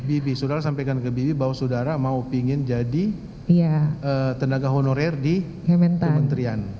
bibi saudara sampaikan ke bibi bahwa saudara mau ingin jadi tenaga honorer di kementerian